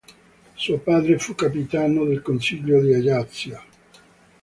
Suo padre fu capitano del Consiglio di Ajaccio.